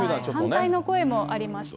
反対の声もありました。